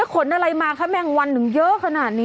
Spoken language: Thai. โอ้โหแต่ขนอะไรมาค่ะแม่งวันเหลือเยอะขนาดนี้